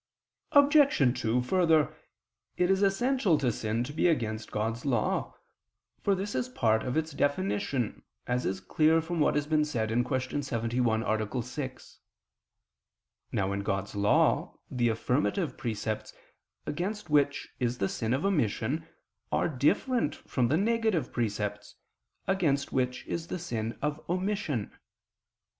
Obj. 2: Further, it is essential to sin to be against God's law, for this is part of its definition, as is clear from what has been said (Q. 71, A. 6). Now in God's law, the affirmative precepts, against which is the sin of omission, are different from the negative precepts, against which is the sin of omission.